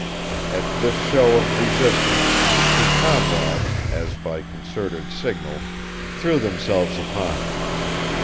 At this show of resistance his two comrades, as by concerted signal, threw themselves upon him.